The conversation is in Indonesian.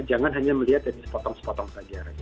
jangan hanya melihat dari sepotong sepotong saja